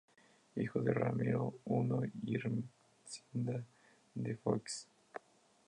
Hijo de Ramiro I y Ermesinda de Foix.